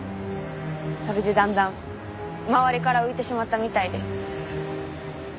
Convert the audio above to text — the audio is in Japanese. それでだんだん周りから浮いてしまったみたいで。